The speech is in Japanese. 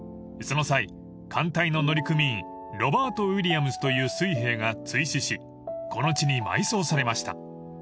［その際艦隊の乗組員ロバート・ウィリアムズという水兵が墜死しこの地に埋葬されました］